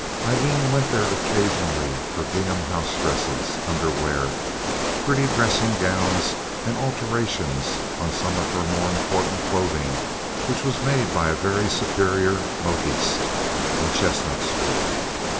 Aileen went there occasionally for gingham house dresses, underwear, pretty dressing gowns, and alterations on some of her more important clothing which was made by a very superior modiste in Chestnut Street.